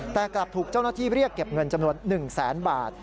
แต่กลับถูกเจ้าหน้าที่เรียกเก็บเงินจำนวน๑แสนบาท